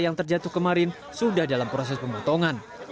yang terjatuh kemarin sudah dalam proses pemotongan